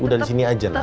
udah di sini aja pak